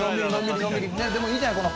でもいいじゃん